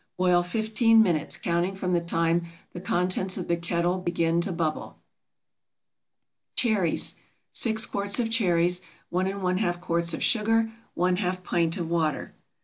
Boil fifteen minutes, counting from the time the contents of the kettle begin to bubble. CHERRIES. 6 quarts of cherries. 1½ quarts of sugar. ½ pint of water.